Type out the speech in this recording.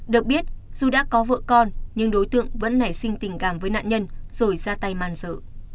được biết dù đã có vợ con nhưng đối tượng vẫn nảy sinh tình cảm với nạn nhân rồi ra tay man sợ